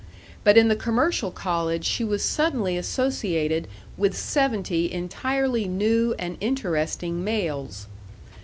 But in the commercial college she was suddenly associated with seventy entirely new and interesting males.